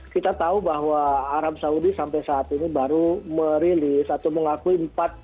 kita tahu bahwa arab saudi sampai saat ini baru merilis atau mengakui